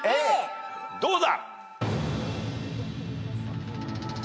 どうだ？